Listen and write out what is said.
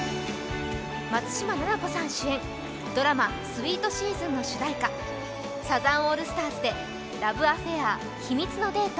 松嶋菜々子さん主演、ドラマ「ＳｗｅｅｔＳｅａｓｏｎ」の主題歌、サザンオールスターズで「ＬＯＶＥＡＦＦＡＩＲ秘密のデート」。